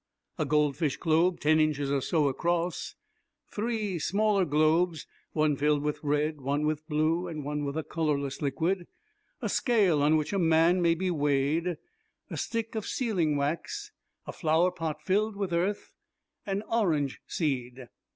"'A gold fish globe ten inches or so across. "'Three smaller globes, one filled with red, one with blue, and one with a colorless liquid. "'A scale on which a man may be weighed. "'A stick of sealing wax. "'A flower pot filled with earth. "'An orange seed.'"